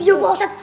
iya pak ustadz